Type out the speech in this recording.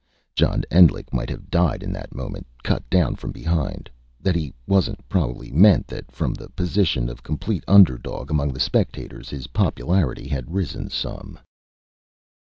John Endlich might have died in that moment, cut down from behind. That he wasn't probably meant that, from the position of complete underdog among the spectators, his popularity had risen some.